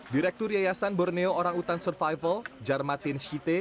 direktur yayasan borneo orang utan survival jarmatin shite